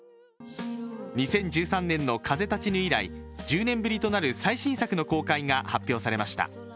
２０１３年の「風立ちぬ」以来、１０年ぶりとなる最新作の公開が発表されました。